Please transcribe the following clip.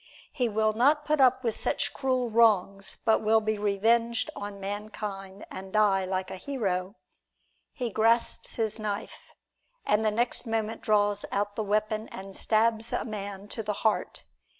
He will not put up with such cruel wrongs, but will be revenged on mankind and die like a hero. He grasps his knife, and the next moment draws out the weapon and stabs a man to the heart.